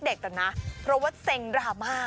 เด็กต่อนะเพราะว่าเซ็งดราม่า